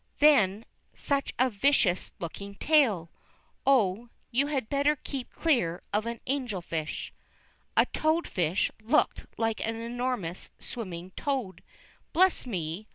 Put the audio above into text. Then such a vicious looking tail! Oh, you had better keep clear of an angel fish. A toad fish looked like an enormous, swimming toad. Bless me!